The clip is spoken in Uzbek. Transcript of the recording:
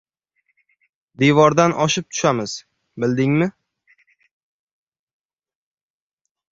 — Devordan oshib tushamiz, bildingmi!